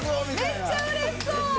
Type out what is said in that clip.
めっちゃ嬉しそう！